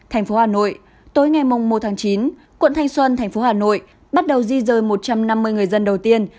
thành phố hà nội tối ngày một tháng chín quận thanh xuân thành phố hà nội bắt đầu di rời một trăm năm mươi người dân đầu tiên